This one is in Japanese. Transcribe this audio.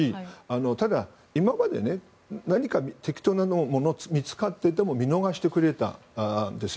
ただ、今まで何か適当なものが見つかってでも見逃してくれたんですよ。